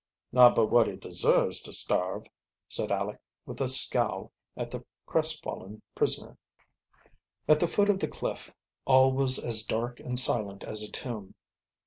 "Not but wot he deserves to starve," said Aleck, with a scowl at the crestfallen prisoner. At the foot of the cliff all was as dark and silent as a tomb.